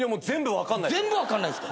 全部分かんない。